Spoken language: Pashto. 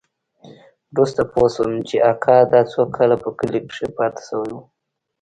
وروسته پوه سوم چې اکا دا څو کاله په کلي کښې پاته سوى و.